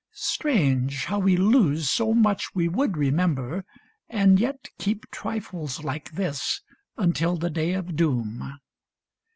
Strange, how we lose So much we would remember, and yet keep Trifles like this until the day of doom